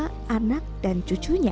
dan pulit untuk berbahaya